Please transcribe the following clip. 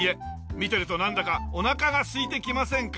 見てるとなんだかおなかがすいてきませんか？